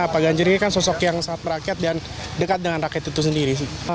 pak ganjar ini kan sosok yang sangat merakyat dan dekat dengan rakyat itu sendiri sih